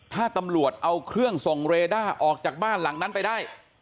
ถ้าตำรวจเอาเครื่องส่งเรด้าออกจากบ้านหลังนั้นไปได้